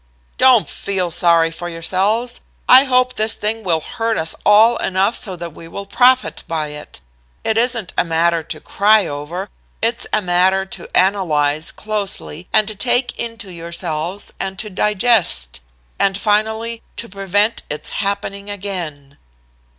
"'Don't feel sorry for yourselves. I hope this thing will hurt us all enough so that we will profit by it. It isn't a matter to cry over it's a matter to analyze closely and to take into yourself and to digest, and finally to prevent its happening again.'